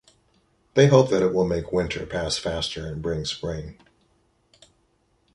They hope that it will make winter pass faster and bring spring.